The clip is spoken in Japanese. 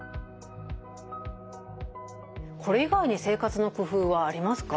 これ以外に生活の工夫はありますか？